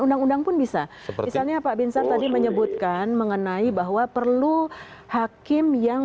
undang undang pun bisa seperti ini apa binsang tadi menyebutkan mengenai bahwa perlu hakim yang